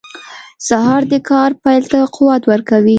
سهار د کار پیل ته قوت ورکوي.